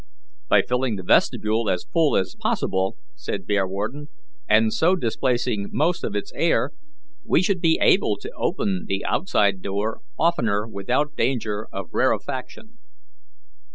"By filling the vestibule as full as possible," said Bearwarden, "and so displacing most of its air, we shall be able to open the outside door oftener without danger of rarefaction."